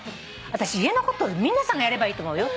私家のこと皆さんがやればいいと思うよ。